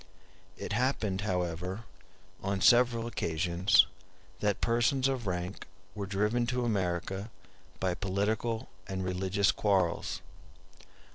It happened, however, on several occasions, that persons of rank were driven to America by political and religious quarrels.